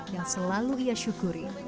yang selalu ia syukuri